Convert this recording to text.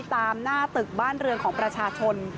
ตามหน้าตึกบ้านเรือนของประชาชน